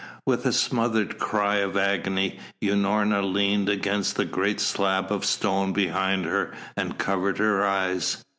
With a smothered cry of agony Unorna leaned against the great slab of stone behind her and covered her eyes.